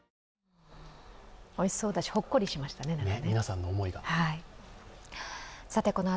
おいしそうだし、ほっこりしましたね。